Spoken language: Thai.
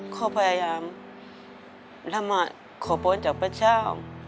พ่อพยายามมาขอโปรดจากพระเจ้า